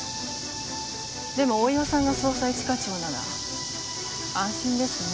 でも大岩さんが捜査一課長なら安心ですね。